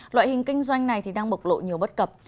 loại hình kinh doanh này đang bộc lộ nhiều bất cập